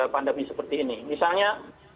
pandemi seperti ini misalnya